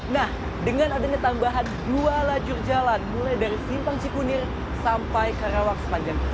nah dengan adanya tambahan dua lajur jalan mulai dari simpang cikunir sampai karawang sepanjang tiga puluh delapan km